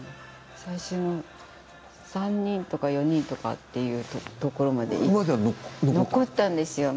最終の３人とか４人とかいうところまで残ったんですよ。